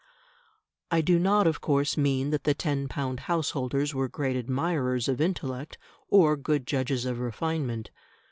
I do not of course mean that the ten pound householders were great admirers of intellect or good judges of refinement.